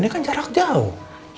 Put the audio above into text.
ini kan jarak jauh